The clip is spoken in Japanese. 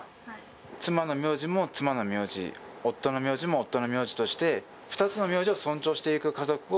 妻の名字も妻の名字夫の名字も夫の名字として２つの名字を尊重していく家族を。